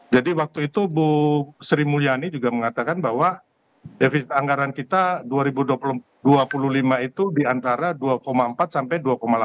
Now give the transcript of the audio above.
jadi waktu itu bu sri mulyani juga mengatakan bahwa defisit anggaran kita dua ribu dua puluh lima itu di antara dua empat sampai dua delapan